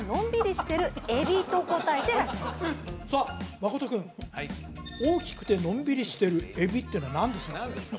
真君「大きくてのんびりしてるエビ」っていうのは何ですか？